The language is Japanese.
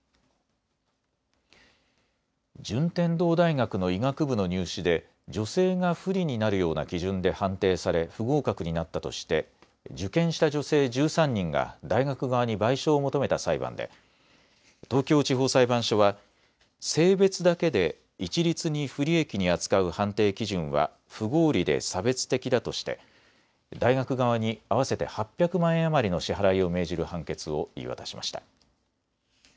順天堂大学の医学部の入試で女性が不利になるような基準で判定され不合格になったとして受験した女性１３人が大学側に賠償を求めた裁判で東京地方裁判所は性別だけで一律に不利益に扱う判定基準は不合理で差別的だとして大学側に合わせて８００万円余りの支払いを命じる判決を言い渡しました。